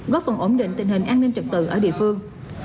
góp phần ổn định tình hình an ninh trực tự ở địa phương